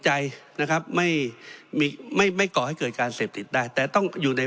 ใจนะครับไม่ไม่ก่อให้เกิดการเสพติดได้แต่ต้องอยู่ใน